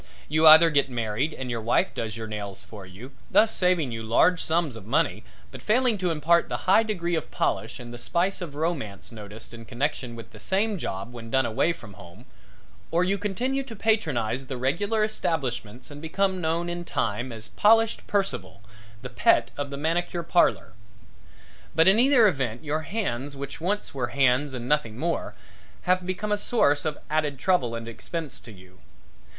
You either get married and your wife does your nails for you, thus saving you large sums of money, but failing to impart the high degree of polish and the spice of romance noticed in connection with the same job when done away from home, or you continue to patronize the regular establishments and become known in time as Polished Percival, the Pet of the Manicure Parlor. But in either event your hands which once were hands and nothing more, have become a source of added trouble and expense to you.